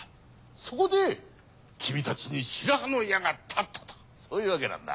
そこでキミたちに白羽の矢が立ったとそういうわけなんだ。